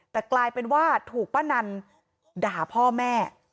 แต่กลายเป็นว่าถูกป้านันด่าพ่อแม่